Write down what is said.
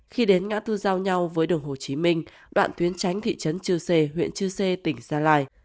khi đến ngã tư giao nhau với đường hồ chí minh đoạn tuyến tránh thị trấn chư sê huyện chư sê tỉnh gia lai